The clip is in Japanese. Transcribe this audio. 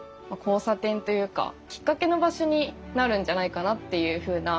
きっかけの場所になるんじゃないかなっていうふうな。